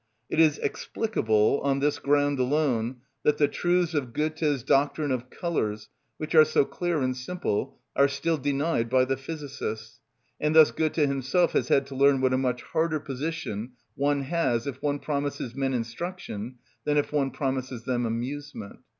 It is explicable, on this ground alone, that the truths of Goethe's doctrine of colours, which are so clear and simple, are still denied by the physicists; and thus Goethe himself has had to learn what a much harder position one has if one promises men instruction than if one promises them amusement.